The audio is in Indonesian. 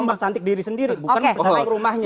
mempercantik diri sendiri bukan mempercantik rumahnya